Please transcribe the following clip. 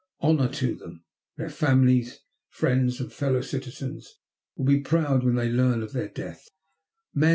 Honor to them. Their families, friends, and fellow citizens will be proud when they learn of their deaths. "Men!